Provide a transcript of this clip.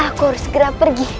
aku harus segera pergi